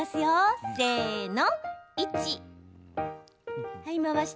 せーの！